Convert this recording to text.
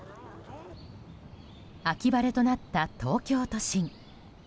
秋晴れとなった東京都心。